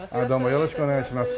よろしくお願いします。